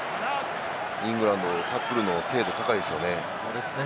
イングランド、タックルの精度高いですよね。